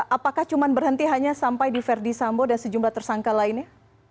apakah cuma berhenti hanya sampai di verdi sambo dan sejumlah tersangka lainnya